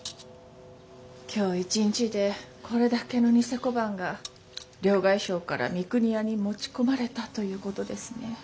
今日一日でこれだけの贋小判が両替商から三国屋に持ち込まれたということですね。